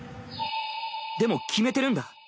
でも決めてるんだ。